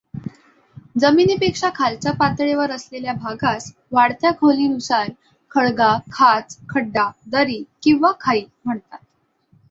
जमिनीपेक्षा खालच्या पातळीवर असलेल्या भागास वाढत्या खोलीनुसार खळगा, खाच, खड्डा, दरी किंवा खाई म्हणतात.